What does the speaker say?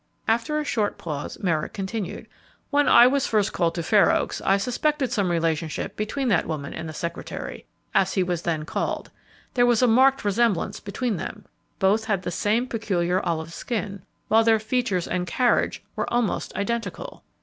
After a short pause, Merrick continued: "When I was first called to Fair Oaks, I suspected some relationship between that woman and the secretary, as he was then called; there was a marked resemblance between them; both had the same peculiar olive skin, while their features and carriage were almost identical."